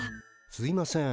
すいません。